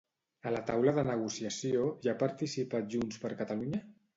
A la taula de negociació hi ha participat JxCat?